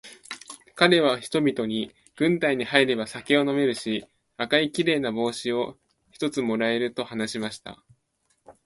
かれは人々に、軍隊に入れば酒は飲めるし、赤いきれいな帽子を一つ貰える、と話しました。